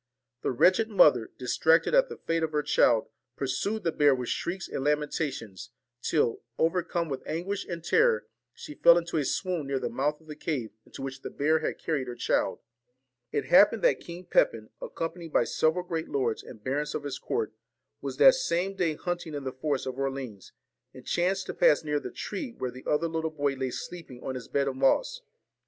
The wretched mother, distracted at the fate of her child, pursued the bear with shrieks and lamenta tions, till, overcome with anguish and terror, she fell into a swoon near the mouth of the cave into which the bear had carried her child. It happened that King Pepin, accompanied by several great lords and barons of his court, was that same day hunting in the forest of Orleans, and chanced to pass near the tree where the other little boy lay sleeping on his bed of moss.